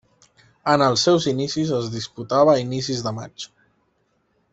En els seus inicis es disputava a inicis de maig.